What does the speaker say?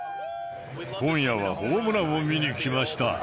今夜はホームランを見に来ました。